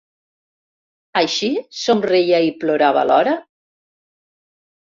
Així somreia i plorava alhora?